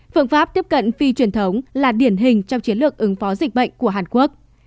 phương pháp tiếp cận phi truyền thống là điển hình trong chiến lược ứng phó dịch bệnh của hàn quốc